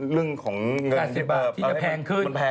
ที่จะแพงขึ้น